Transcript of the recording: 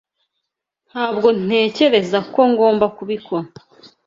Ntabwo ntekereza ko ngomba kubikora.